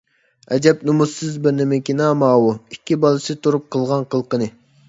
ئەجەب نومۇسسىز بىر نېمىكىنا ماۋۇ، ئىككى بالىسى تۇرۇپ قىلغان قىلىقىنى!